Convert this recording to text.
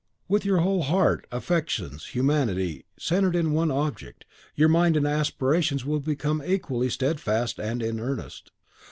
With your whole heart, affections, humanity, centred in one object, your mind and aspirations will become equally steadfast and in earnest.